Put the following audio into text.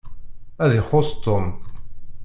Ad ixuṣ Tom.